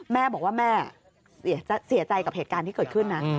แม่บอกว่าแม่เสียใจกับเหตุการณ์ที่เกิดขึ้นนะ